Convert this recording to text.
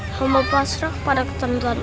eh ngapain juga ya kita berantem